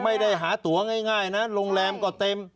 ไม่ได้หาตัวง่ายนะโรงแรมก็เต็ม